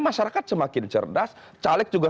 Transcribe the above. masyarakat semakin cerdas caleg juga